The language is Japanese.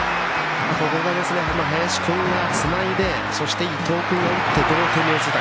ここが林君がつないでそして、伊藤君が打って同点に追いついた。